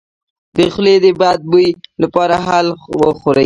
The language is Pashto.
د خولې د بد بوی لپاره هل وخورئ